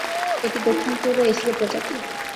এটি দক্ষিণ পূর্ব-এশীয় প্রজাতি।